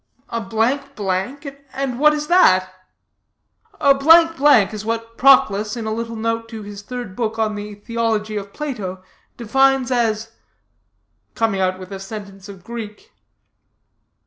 "A ! And what is that?" "A is what Proclus, in a little note to his third book on the theology of Plato, defines as " coming out with a sentence of Greek.